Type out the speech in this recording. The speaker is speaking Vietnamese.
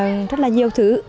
nó là nhiều thứ